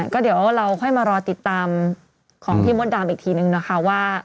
ก็เดี๋ยวเราค่อยมารอติดตามของพี่มดดำอีกทีนึงนะคะว่า